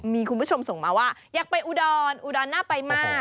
มีคุณผู้ชมส่งมาว่าอยากไปอุดรอุดรน่าไปมาก